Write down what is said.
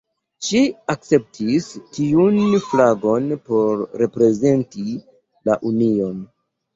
Ŝi akceptis tiun flagon por reprezenti la union.